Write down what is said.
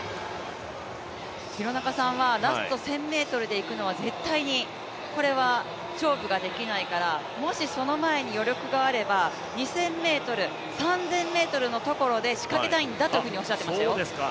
廣中さんはラスト１０００ｍで行くのは絶対に勝負ができないからもしその前に余力があれば２０００ｍ３０００ｍのところで仕掛けたいんだとおっしゃっていましたよ。